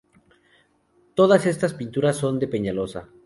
Todas estas pinturas son de Peñalosa.